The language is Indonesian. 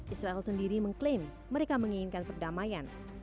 israel sendiri mengklaim mereka menginginkan perdamaian